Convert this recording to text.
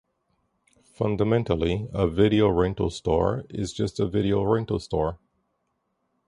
Fundamentally, a video rental store is just a video rental store.